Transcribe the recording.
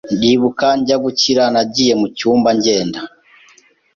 Ndibuka njya gukira nagiye mu cyumba ngenda